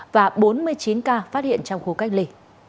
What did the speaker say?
và bốn mươi chín ca phát hiện trong khu cách ly